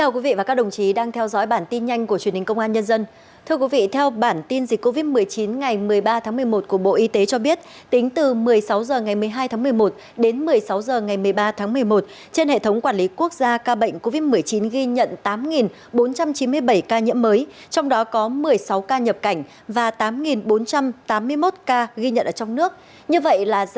các bạn hãy đăng ký kênh để ủng hộ kênh của chúng mình nhé